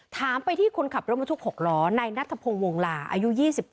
ถามไปที่คนขับรถบรรทุก๖ล้อในนัทพงศ์วงลาอายุ๒๗